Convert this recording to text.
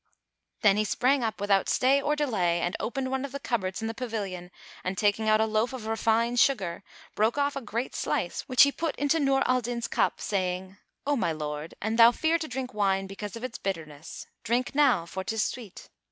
'" Then he sprang up without stay or delay and opened one of the cupboards in the pavilion and taking out a loaf of refined sugar, broke off a great slice which he put into Nur al Din's cup, saying, "O my lord, an thou fear to drink wine, because of its bitterness, drink now, for 'tis sweet."